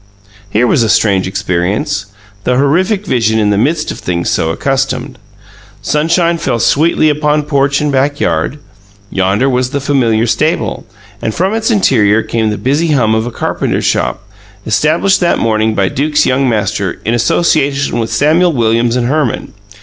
Here was a strange experience the horrific vision in the midst of things so accustomed. Sunshine fell sweetly upon porch and backyard; yonder was the familiar stable, and from its interior came the busy hum of a carpenter shop, established that morning by Duke's young master, in association with Samuel Williams and Herman.